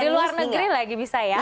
di luar negeri lagi bisa ya